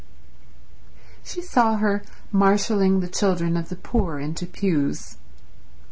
She saw her marshalling the children of the poor into pews.